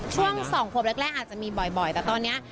ช่วง๒ควบแรกอาจจะมีบ่อยแต่ตอนนี้